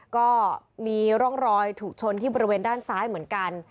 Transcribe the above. ก็มีร่องรอยถูกชนที่บริเวณด้านซ้ายเหมือนกัน